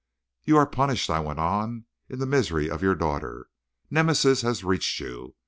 "You are punished," I went on, "in the misery of your daughter. Nemesis has reached you.